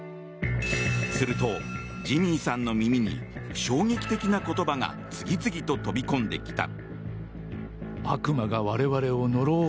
すると、ジミーさんの耳に衝撃的な言葉が次々と飛び込んできた。